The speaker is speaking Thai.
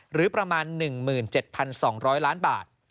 หรือประมาณ๑๗๒๐๐ล้านบาท